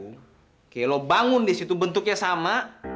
oke lo bangun di situ bentuknya sama